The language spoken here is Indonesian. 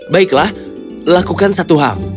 baiklah lakukan satu hal